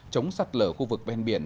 chống sạt lở khu vực bên biển